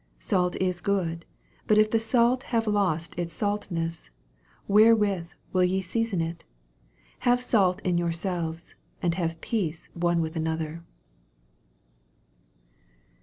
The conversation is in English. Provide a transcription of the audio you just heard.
50 Salt is good; but if the sdt have lost his saltaess, wherewith will ye season it ? Have salt in your selves, and have peace one with an other.